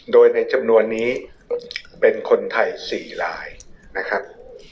โดยในจำนวนนี้เป็นคนไทย๔ลายนะครับ